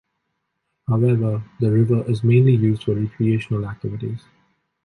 However, the river is mainly used for recreational activities.